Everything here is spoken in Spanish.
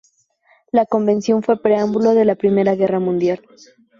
La convención fue preámbulo de la Primera Guerra Mundial.